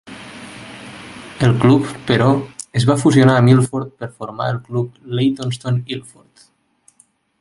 El club, però, es va fusionar amb Ilford per formar el club Leytonstone-Ilford.